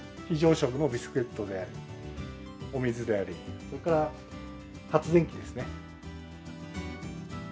非常食のビスケットであり、お水であり、それから発電機ですね。